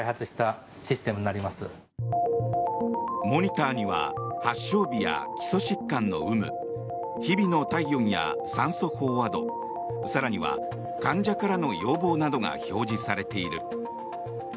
モニターには発症日や基礎疾患の有無日々の体温や酸素飽和度更には患者からの要望などが表示されている。